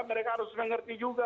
mereka harus mengerti juga